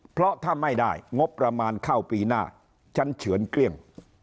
เพราะถ้าไม่ได้งบประมาณเข้าปีหน้าฉันเฉือนเกลี้ยง